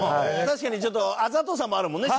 確かにちょっとあざとさもあるもんね